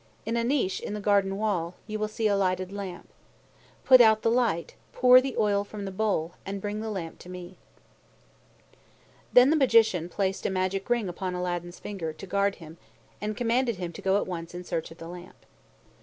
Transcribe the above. In a niche in the garden wall, you will see a lighted lamp. Put out the light, pour the oil from the bowl, and bring the lamp to me." Then the Magician placed a magic ring upon Aladdin's finger, to guard him, and commanded him to go at once in search of the lamp.